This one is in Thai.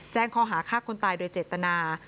แจ้งข้อหาฆ่าคนตายโดยเจตนา